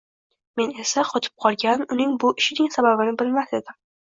Men esa, qotib qolgan, uning bu ishining sababini bilmas edim